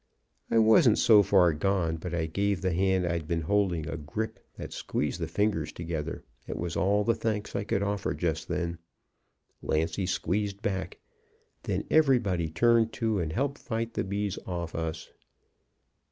"I wasn't so far gone but I gave the hand I'd been holding a grip that squeezed the fingers together. It was all the thanks I could offer just then. Lancy squeezed back. Then everybody turned to and helped fight the bees off us.